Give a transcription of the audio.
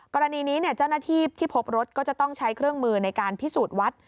กรณีนี้เจ้าหน้าที่ที่พบรถก็จะต้องใช้เครื่องมือในการพิสูจน์วัด